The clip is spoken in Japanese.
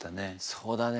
そうだね。